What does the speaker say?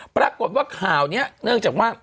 ปรากฏว่าข่าวนี้เนื่องจากว่า